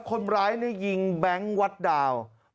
คนร้ายในยิงแบงค์วัดดาวน์